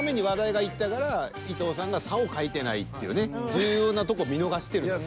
重要なとこ見逃してるのよ。